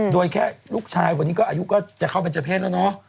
โดยแค่ลูกชายวันนี้ก็อายุก็จะเข้าเป็นเจ้าเพศแล้วเนอะ